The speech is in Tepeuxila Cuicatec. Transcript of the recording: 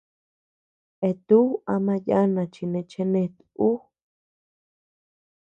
Eatú ama yana chi nee chenet ú.